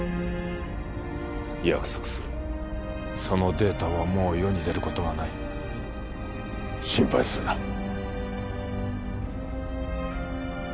約束するそのデータはもう世に出ることはない心配するな